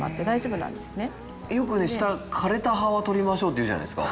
よく枯れた葉は取りましょうって言うじゃないですか。